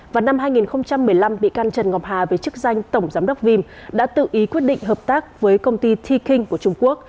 vào năm hai nghìn một mươi năm bị can trần ngọc hà về chức danh tổng giám đốc vim đã tự ý quyết định hợp tác với công ty thi king của trung quốc